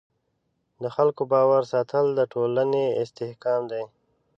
د خلکو باور ساتل د ټولنې استحکام دی.